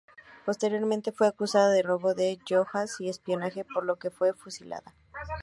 Posteriormente fue acusada de robo de joyas y espionaje, por lo que fue fusilada.